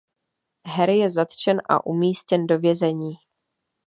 Harry je zatčen a umístěn do vězení.